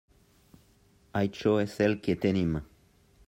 Això és el que tenim.